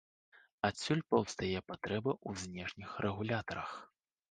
Адсюль паўстае патрэба ў знешніх рэгулятарах.